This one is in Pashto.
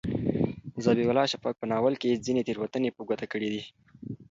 ذبیح الله شفق په ناول کې ځینې تېروتنې په ګوته کړي دي.